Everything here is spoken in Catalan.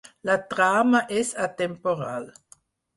La trama és atemporal.